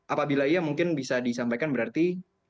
apabila iya mungkin bisa disampaikan berarti